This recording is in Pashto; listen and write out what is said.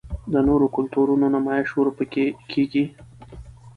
د نورو کلتورونو نمائش ورپکښې کـــــــــــــــــېږي